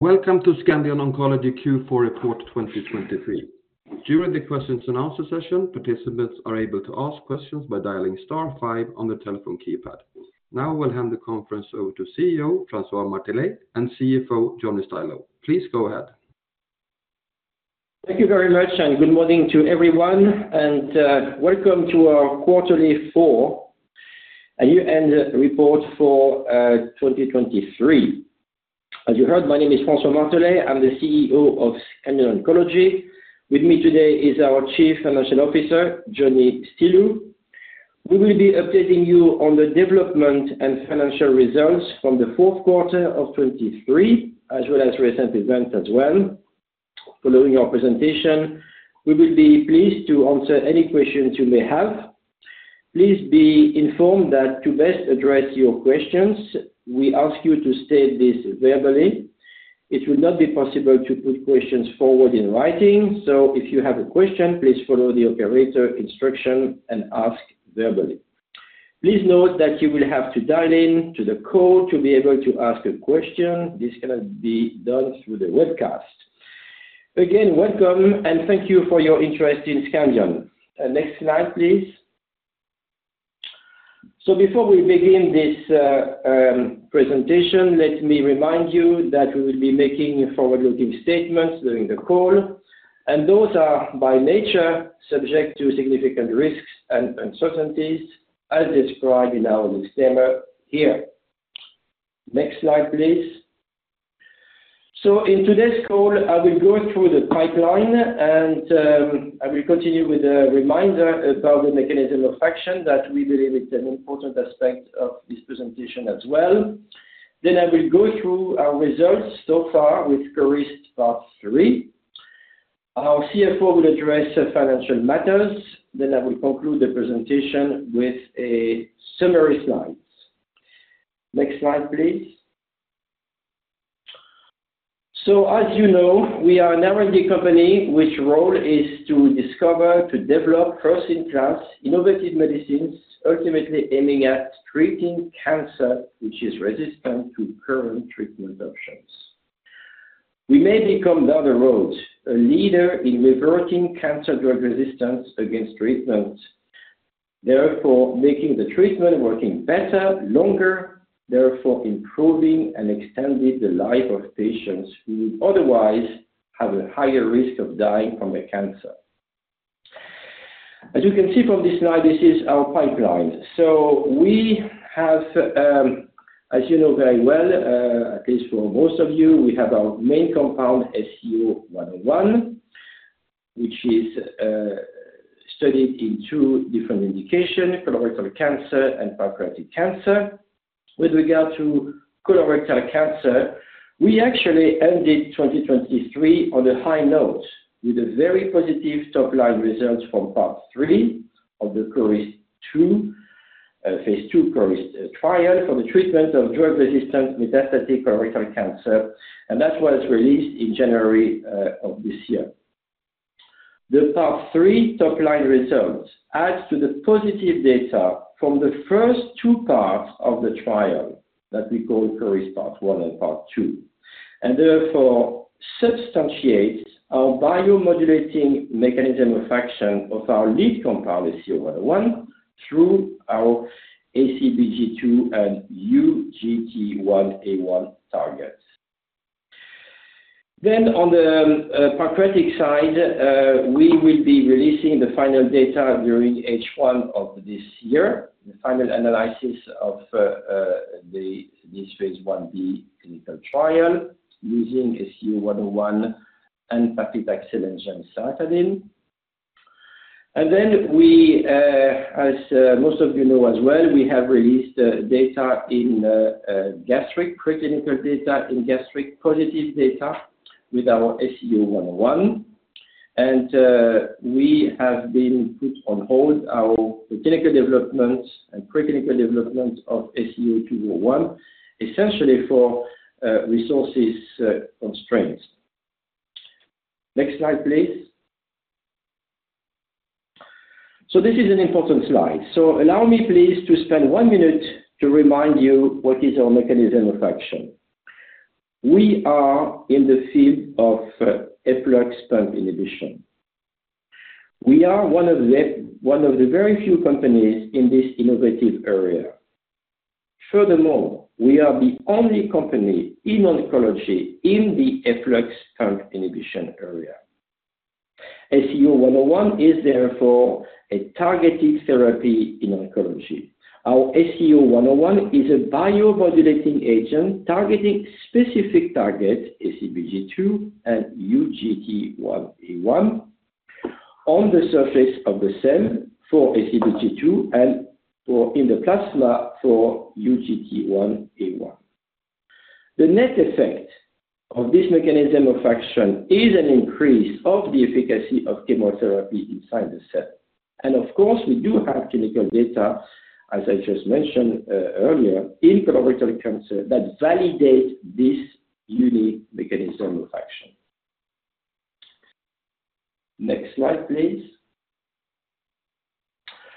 Welcome to Scandion Oncology Q4 Report 2023. During the questions and answers session, participants are able to ask questions by dialing star five on the telephone keypad. Now we'll hand the conference over to CEO François Martelet and CFO Johnny Stilou. Please go ahead. Thank you very much, and good morning to everyone. Welcome to our Q4 year-end report for 2023. As you heard, my name is François Martelet. I'm the CEO of Scandion Oncology. With me today is our Chief Financial Officer, Johnny Stilou. We will be updating you on the development and financial results from the Q4 of 2023, as well as recent events as well. Following our presentation, we will be pleased to answer any questions you may have. Please be informed that to best address your questions, we ask you to state this verbally. It will not be possible to put questions forward in writing, so if you have a question, please follow the operator instruction and ask verbally. Please note that you will have to dial in to the call to be able to ask a question. This cannot be done through the webcast. Again, welcome, and thank you for your interest in Scandion. Next slide, please. So before we begin this presentation, let me remind you that we will be making forward-looking statements during the call. And those are, by nature, subject to significant risks and uncertainties, as described in our disclaimer here. Next slide, please. So in today's call, I will go through the pipeline, and I will continue with a reminder about the mechanism of action that we believe it's an important aspect of this presentation as well. Then I will go through our results so far with CORIST Part 3. Our CFO will address financial matters. Then I will conclude the presentation with a summary slides. Next slide, please. So as you know, we are an R&D company whose role is to discover, to develop first-in-class innovative medicines, ultimately aiming at treating cancer which is resistant to current treatment options. We may become down the road a leader in reverting cancer drug resistance against treatment, therefore making the treatment working better, longer, therefore improving and extending the life of patients who would otherwise have a higher risk of dying from the cancer. As you can see from this slide, this is our pipeline. So we have, as you know very well, at least for most of you, we have our main compound SCO-101, which is, studied in two different indications, colorectal cancer and pancreatic cancer. With regard to colorectal cancer, we actually ended 2023 on a high note with a very positive top-line result from Part 3 of the CORIST-2, phase II CORIST, trial for the treatment of drug-resistant metastatic colorectal cancer, and that was released in January, of this year. The Part 3 top-line results add to the positive data from the first two parts of the trial that we call CORIST Part 1 and Part 2, and therefore substantiate our biomodulating mechanism of action of our lead compound, SCO-101, through our ABCG2 and UGT1A1 targets. Then on the pancreatic side, we will be releasing the final data during H1 of this year, the final analysis of this phase Ib clinical trial using SCO-101 and Pexa-Vec oncolytic virus. And then we, most of you know as well, we have released preclinical data in gastric positive data with our SCO-101. We have put on hold our preclinical development of SCO-201, essentially for resource constraints. Next slide, please. So this is an important slide. So allow me, please, to spend one minute to remind you what is our mechanism of action. We are in the field of efflux pump inhibition. We are one of the very few companies in this innovative area. Furthermore, we are the only company in oncology in the efflux pump inhibition area. SCO-101 is, therefore, a targeted therapy in oncology. Our SCO-101 is a biomodulating agent targeting specific targets, ABCG2 and UGT1A1, on the surface of the cell for ABCG2 and for in the plasma for UGT1A1. The net effect of this mechanism of action is an increase of the efficacy of chemotherapy inside the cell. And of course, we do have clinical data, as I just mentioned, earlier, in colorectal cancer that validate this unique mechanism of action. Next slide, please.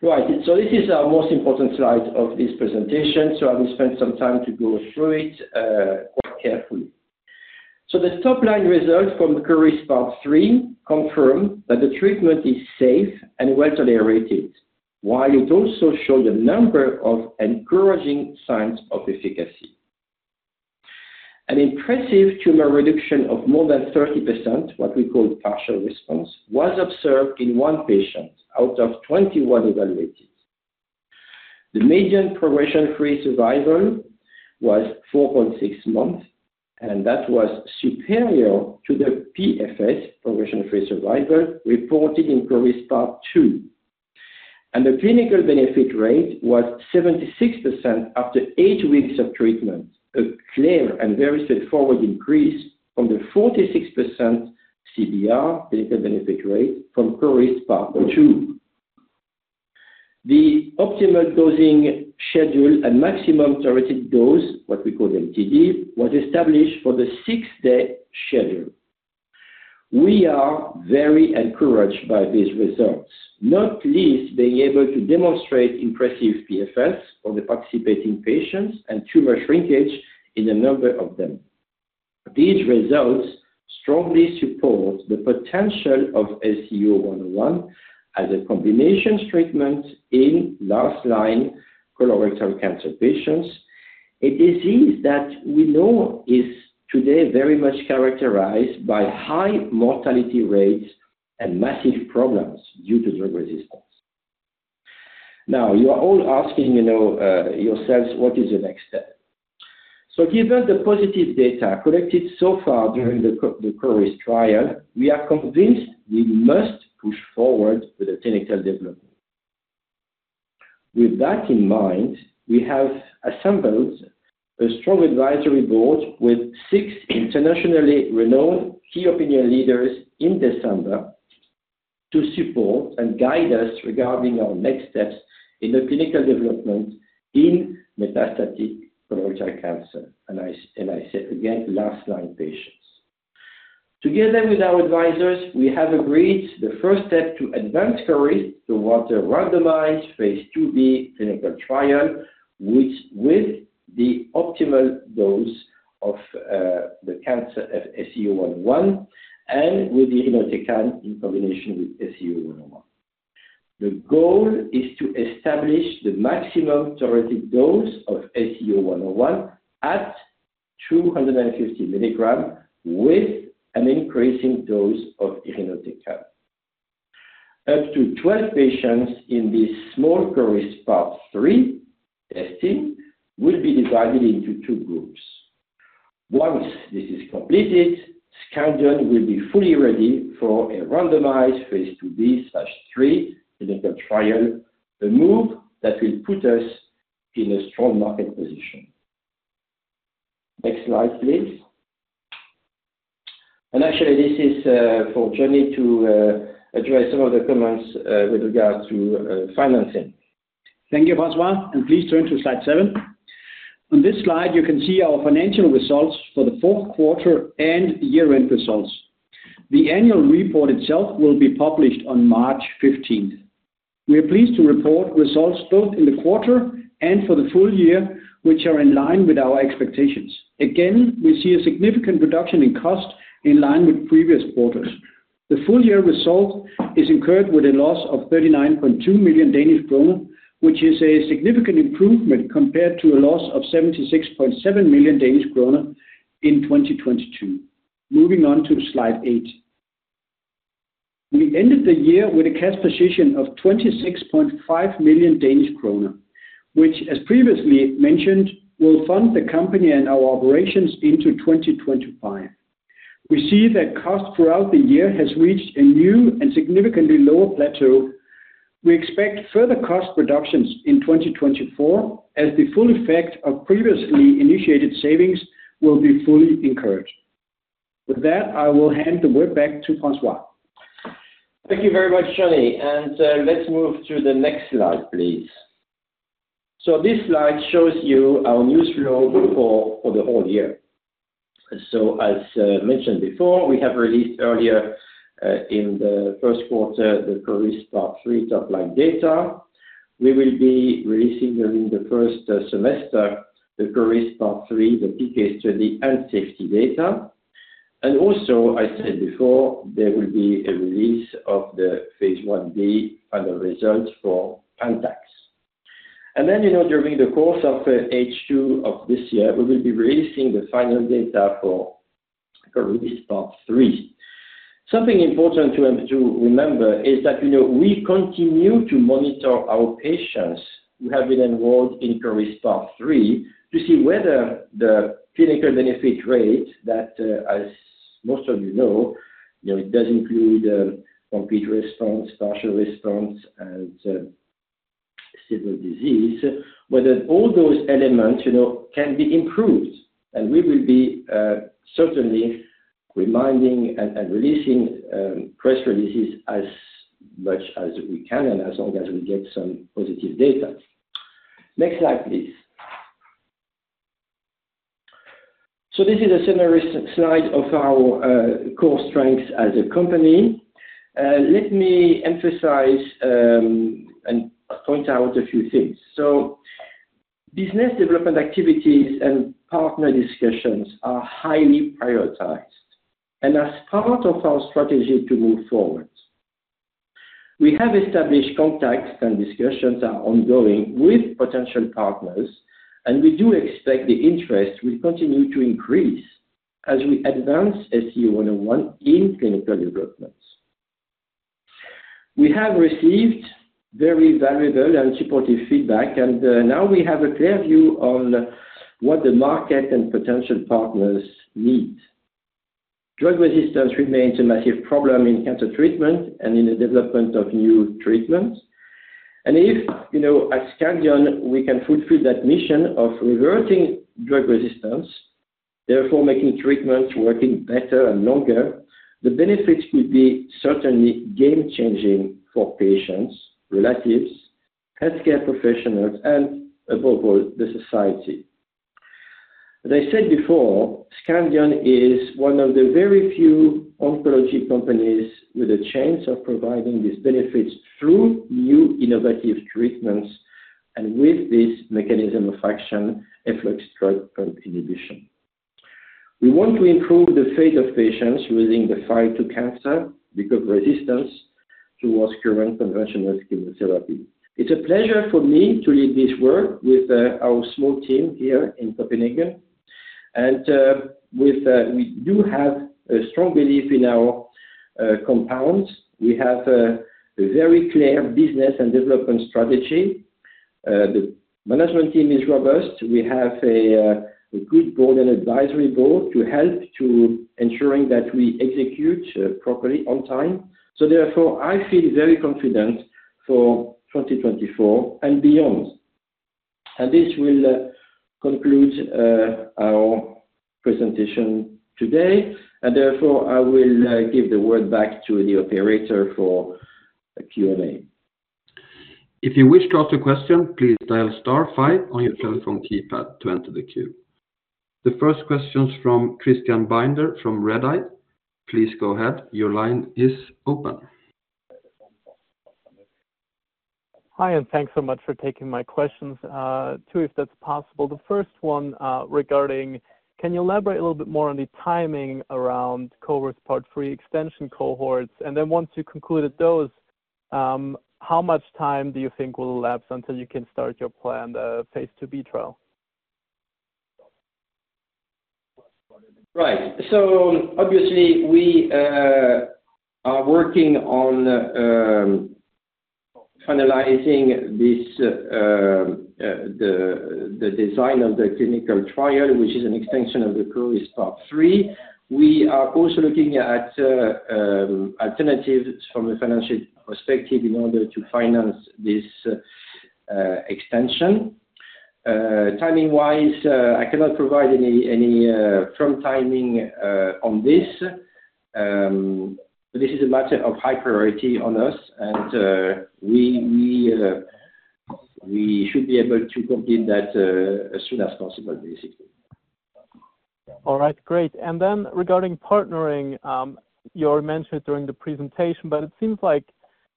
Right. So this is our most important slide of this presentation. So I will spend some time to go through it, quite carefully. So the top-line result from CORIST Part 3 confirms that the treatment is safe and well tolerated, while it also showed a number of encouraging signs of efficacy. An impressive tumor reduction of more than 30%, what we call partial response, was observed in one patient out of 21 evaluated. The median progression-free survival was 4.6 months, and that was superior to the PFS, progression-free survival, reported in CORIST Part 2. And the clinical benefit rate was 76% after eight weeks of treatment, a clear and very straightforward increase from the 46% CBR, clinical benefit rate, from CORIST Part 2. The optimal dosing schedule and maximum targeted dose, what we call MTD, was established for the six-day schedule. We are very encouraged by these results, not least being able to demonstrate impressive PFS for the participating patients and tumor shrinkage in a number of them. These results strongly support the potential of SCO-101 as a combination treatment in last-line colorectal cancer patients, a disease that we know is today very much characterized by high mortality rates and massive problems due to drug resistance. Now, you are all asking, you know, yourselves, what is the next step? So given the positive data collected so far during the CORIST trial, we are convinced we must push forward with the clinical development. With that in mind, we have assembled a strong advisory board with six internationally renowned key opinion leaders in December to support and guide us regarding our next steps in the clinical development in metastatic colorectal cancer, and I and I say again, last-line patients. Together with our advisors, we have agreed the first step to advance CORIST, the two-arm randomized phase IIb clinical trial, which with the optimal dose of, the cancer of SCO-101 and with irinotecan in combination with SCO-101. The goal is to establish the maximum targeted dose of SCO-101 at 250 milligrams with an increasing dose of irinotecan. Up to 12 patients in this small CORIST Part 3 testing will be divided into two groups. Once this is completed, Scandion will be fully ready for a randomized phase IIb/III clinical trial, a move that will put us in a strong market position. Next slide, please. Actually, this is for Johnny to address some of the comments with regard to financing. Thank you, François. Please turn to slide seven. On this slide, you can see our financial results for the Q4 and year-end results. The annual report itself will be published on 15 March 2024. We are pleased to report results both in the quarter and for the full year, which are in line with our expectations. Again, we see a significant reduction in cost in line with previous quarters. The full-year result is incurred with a loss of 39.2 million Danish kroner, which is a significant improvement compared to a loss of 76.7 million Danish kroner in 2022. Moving on to slide eight. We ended the year with a cash position of 26.5 million Danish kroner, which, as previously mentioned, will fund the company and our operations into 2025. We see that cost throughout the year has reached a new and significantly lower plateau. We expect further cost reductions in 2024 as the full effect of previously initiated savings will be fully incurred. With that, I will hand the word back to François. Thank you very much, Johnny. Let's move to the next slide, please. This slide shows you our news flow for the whole year. As mentioned before, we have released earlier in the Q1 the CORIST Part 3 top-line data. We will be releasing during the first semester the CORIST Part 3, the PK study and safety data. And also, I said before, there will be a release of the Phase Ib final results for PANTAX. And then, you know, during the course of H2 of this year, we will be releasing the final data for CORIST Part 3. Something important to remember is that, you know, we continue to monitor our patients who have been enrolled in CORIST Part 3 to see whether the clinical benefit rate that, as most of you know, you know, it does include complete response, partial response, and stable disease, whether all those elements, you know, can be improved. And we will be certainly reminding and releasing press releases as much as we can and as long as we get some positive data. Next slide, please. So this is a summary slide of our core strengths as a company. Let me emphasize and point out a few things. So business development activities and partner discussions are highly prioritized and are part of our strategy to move forward. We have established contacts, and discussions are ongoing with potential partners, and we do expect the interest will continue to increase as we advance SCO-101 in clinical development. We have received very valuable and supportive feedback, and now we have a clear view on what the market and potential partners need. Drug resistance remains a massive problem in cancer treatment and in the development of new treatments. And if, you know, at Scandion, we can fulfill that mission of reverting drug resistance, therefore making treatments working better and longer, the benefits could be certainly game-changing for patients, relatives, healthcare professionals, and above all, the society. As I said before, Scandion is one of the very few oncology companies with a chance of providing these benefits through new innovative treatments and with this mechanism of action, efflux drug pump inhibition. We want to improve the fate of patients using the FOLFIRI cancer because of resistance towards current conventional chemotherapy. It's a pleasure for me to lead this work with our small team here in Copenhagen. We do have a strong belief in our compounds. We have a very clear business and development strategy. The management team is robust. We have a good board and advisory board to help ensure that we execute properly on time. So therefore, I feel very confident for 2024 and beyond. And this will conclude our presentation today. And therefore, I will give the word back to the operator for a Q&A. If you wish to ask a question, please dial star five on your telephone keypad to enter the queue. The first question's from Christian Binder from Redeye. Please go ahead. Your line is open. Hi, and thanks so much for taking my questions, too, if that's possible. The first one, regarding, can you elaborate a little bit more on the timing around CORIST Part 3 extension cohorts? And then once you concluded those, how much time do you think will elapse until you can start your planned, phase IIb trial? Right. So obviously, we are working on finalizing this, the design of the clinical trial, which is an extension of the CORIST Part 3. We are also looking at alternatives from a financial perspective in order to finance this extension. Timing-wise, I cannot provide any firm timing on this. This is a matter of high priority on us, and we should be able to complete that as soon as possible, basically. All right. Great. And then regarding partnering, you already mentioned it during the presentation, but it seems like,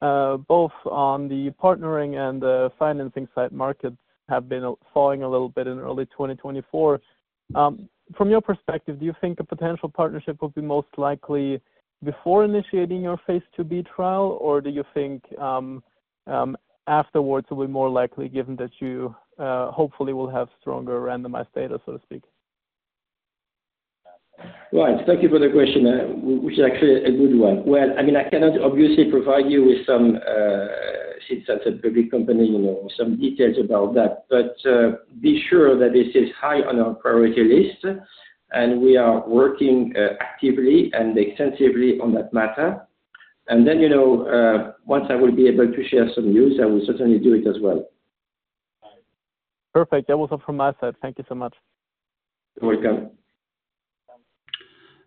both on the partnering and the financing side markets have been, falling a little bit in early 2024, from your perspective, do you think a potential partnership would be most likely before initiating your phase IIb trial, or do you think, afterwards it will be more likely given that you, hopefully will have stronger randomized data, so to speak? Right. Thank you for the question, which is actually a good one. Well, I mean, I cannot obviously provide you with some, since that's a public company, you know, some details about that. But be sure that this is high on our priority list, and we are working actively and extensively on that matter. And then, you know, once I will be able to share some news, I will certainly do it as well. Perfect. That was all from my side. Thank you so much. You're welcome.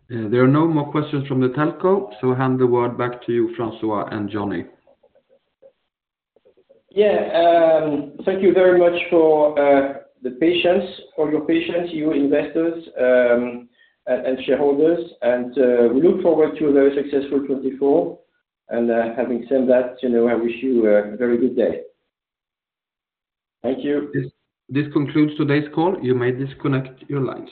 Yeah. There are no more questions from the telco, so I'll hand the word back to you, François and Johnny. Yeah, thank you very much for the patience for your patients, you investors, and, and shareholders. And we look forward to a very successful 2024. And, having said that, you know, I wish you a very good day. Thank you. This concludes today's call. You may disconnect your lines.